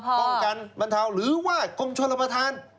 ป้องกันบรรเทาหรือว่ากรมชนรับประทาน